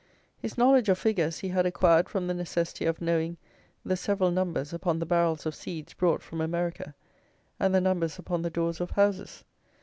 His knowledge of figures he had acquired from the necessity of knowing the several numbers upon the barrels of seeds brought from America, and the numbers upon the doors of houses.